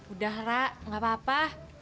udah rak gak apa apa